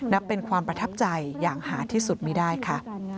นับเป็นความประทับใจอย่างหาที่สุดไม่ได้ค่ะ